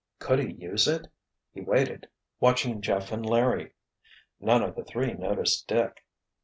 Could he use it? He waited, watching Jeff and Larry. None of the three noticed Dick.